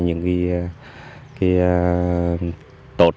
những cái tột